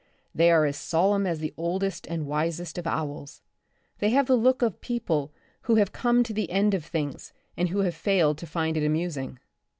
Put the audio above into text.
They are as solemn as the oldest and wisest of owls. They have the look of people who have come to the end of things and who have failed to find it amusing.